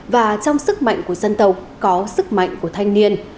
và trong sức mạnh của dân tộc có sức mạnh của thanh niên